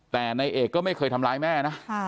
แต่นายเอกก็ไม่เคยทำร้ายแม่นะ